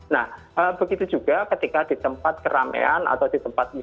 nah begitu juga ketika di tempat keramaian atau di tempat